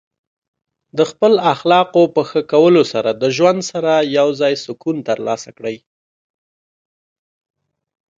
د خپل اخلاقو په ښه کولو سره د ژوند سره یوځای سکون ترلاسه کړئ.